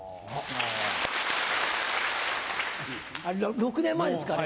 もう６年前です。